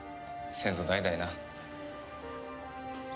先祖代々？